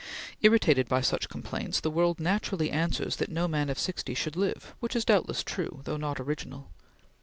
Irritated by such complaints, the world naturally answers that no man of sixty should live, which is doubtless true, though not original.